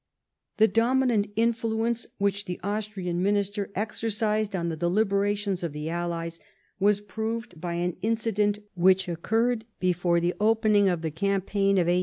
The dominant influence which the Austrian minister exercised on the deliberations of the Allies was proved by an incident which occurred before the opening of the cam paign of 1814.